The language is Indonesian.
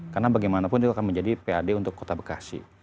karena bagaimanapun itu akan menjadi pad untuk kota bekasi